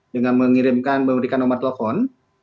dengan mengirimkan memberikan nomor telepon